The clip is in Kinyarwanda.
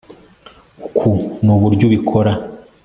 uku nuburyo ubikora